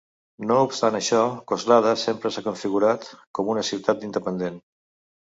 No obstant això, Coslada sempre s'ha configurat com una ciutat independent.